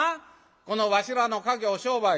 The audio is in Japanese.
このわしらの稼業商売